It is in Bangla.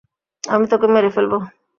আমি তোকে মেরে ফেলবো।